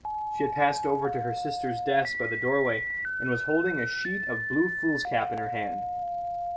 She had passed over to her sister's desk by the doorway, and was holding a sheet of blue foolscap in her hand.